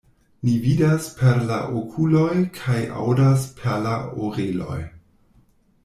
Ni vidas per la okuloj kaj aŭdas perla oreloj.